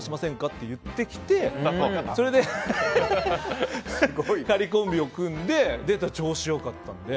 って言ってきてそれで仮コンビを組んで出たら調子良かったので。